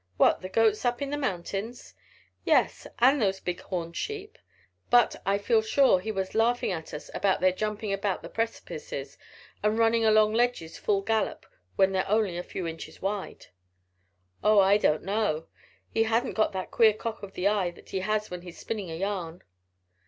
"What, the goats up in the mountains?" "Yes, and those big horned sheep; but I feel sure he was laughing at us about their jumping about the precipices, and running along ledges full gallop when they're only a few inches wide." "Oh, I don't know; he hadn't got that queer cock of the eye that he has when he's spinning a yarn."